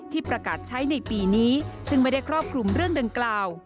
ประกาศใช้ในปีนี้ซึ่งไม่ได้ครอบคลุมเรื่องดังกล่าว